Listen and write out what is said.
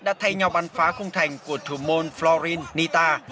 đã thay nhau bắn phá khung thành của thủ môn florin nita